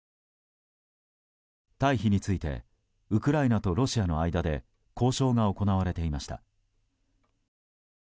退避についてウクライナとロシアの間で交渉が行われていました。